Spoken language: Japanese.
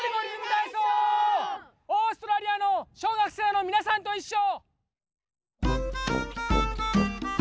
オーストラリアの小学生のみなさんといっしょ！